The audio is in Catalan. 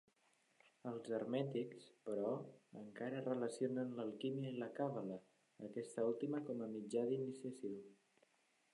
Els hermètics, però, encara relacionen l'alquímia i la càbala, aquesta última com a mitjà d'iniciació.